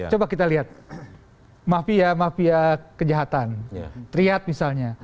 coba kita lihat mafia mafia kejahatan triat misalnya